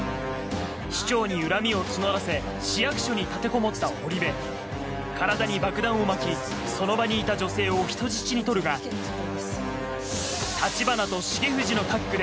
市長に恨みを募らせ市役所に立てこもった堀部体に爆弾を巻きその場にいた女性を人質に取るが確保！